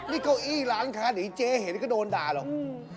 นี่เก้าอี้ร้านค้าไหนเจ๊เห็นก็โดนด่าหรอก